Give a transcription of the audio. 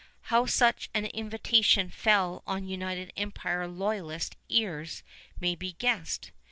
How such an invitation fell on United Empire Loyalist ears may be guessed.